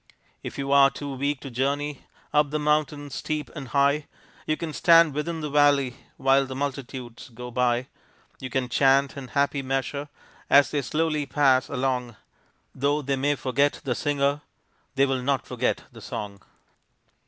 If you are too weak to journey Up the mountain, steep and high, You can stand within the valley While the multitudes go by; You can chant in happy measure As they slowly pass along Though they may forget the singer, They will not forget the song.